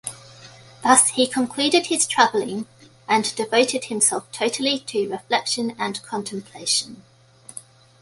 Thus he concluded his traveling, and devoted himself totally to reflection and contemplation.